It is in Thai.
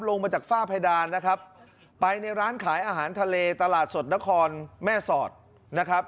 ลงมาจากฝ้าเพดานนะครับไปในร้านขายอาหารทะเลตลาดสดนครแม่สอดนะครับ